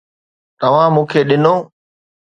توهان مون کي ڏنو